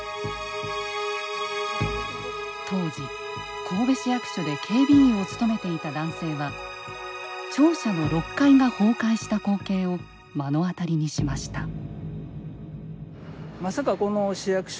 当時、神戸市役所で警備員を務めていた男性は庁舎の６階が崩壊した光景を目の当たりにしました。